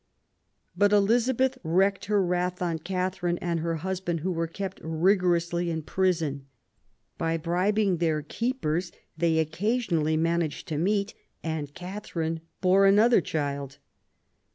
But Elizabeth wreaked her wrath on Catharine and her husband, who were kept rigorously in prison. By bribing their keepers they occasionally managed to meet, and Catharine bore another child.